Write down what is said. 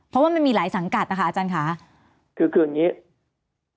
เพราะว่ามันมีหลายสังกัดนะคะอาจารย์ค่ะคือคืออย่างงี้